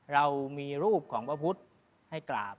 เรามีรูปของพระพุทธให้กราบ